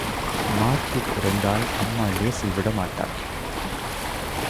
Mark குறைந்தால் அம்மா லேசில் விடமாட்டாள்.